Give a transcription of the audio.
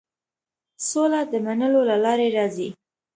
سوله د منلو له لارې راځي.